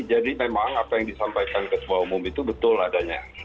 jadi memang apa yang disampaikan ke semua umum itu betul adanya